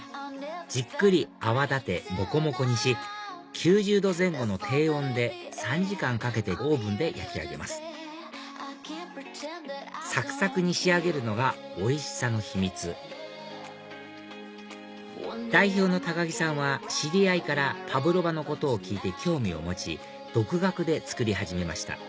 ９０℃前後の低温で３時間かけてオーブンで焼き上げますサクサクに仕上げるのがおいしさの秘密代表の木さんは知り合いからパブロバのことを聞いて興味を持ち独学で作り始めました